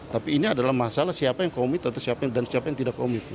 tapi ini adalah masalah siapa yang komit atau siapa dan siapa yang tidak komit